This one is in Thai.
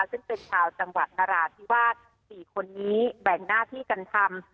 ซึ่งเป็นชาวจังหวัดนราธิวาส๔คนนี้แบ่งหน้าที่กันทำ